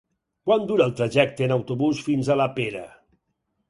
Quant dura el trajecte en autobús fins a la Pera?